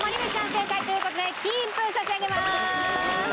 正解という事で金一封差し上げます。